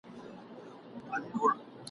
پر رګونو یې له ویري زلزله وه !.